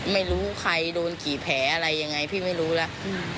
ไม่รู้ใครโดนกี่แผลอะไรยังไงพี่ไม่รู้แล้ว